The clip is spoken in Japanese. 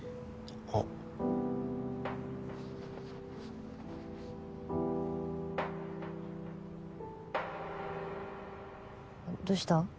あどうした？